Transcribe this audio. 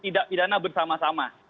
tindak pidana bersama sama